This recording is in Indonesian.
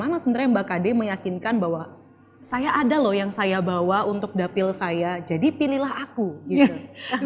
aku tajakan tadi adalah bagaimana sebenernya mbak kade meyakinkan bahwa saya ada loh yang saya bawa untuk dapil saya jadi pilihlah aku gitu